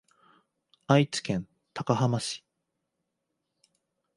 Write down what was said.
愛知県高浜市